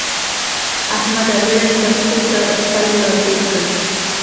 احمده! زړه دې د پښو تر تلو راتېر کړ.